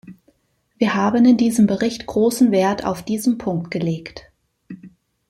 Wir haben in diesem Bericht großen Wert auf diesen Punkt gelegt.